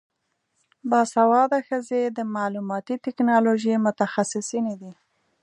باسواده ښځې د معلوماتي ټیکنالوژۍ متخصصینې دي.